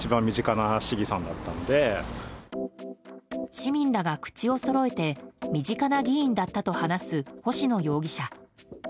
市民らが口をそろえて身近な議員だったと話す星野容疑者。